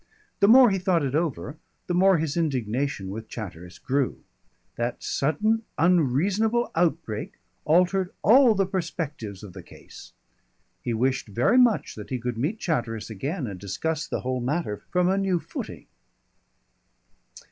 The more he thought it over, the more his indignation with Chatteris grew. That sudden unreasonable outbreak altered all the perspectives of the case. He wished very much that he could meet Chatteris again and discuss the whole matter from a new footing.